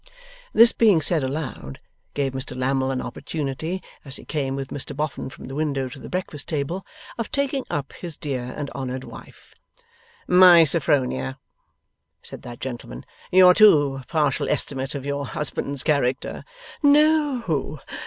This being said aloud, gave Mr Lammle an opportunity, as he came with Mr Boffin from the window to the breakfast table, of taking up his dear and honoured wife. 'My Sophronia,' said that gentleman, 'your too partial estimate of your husband's character ' 'No!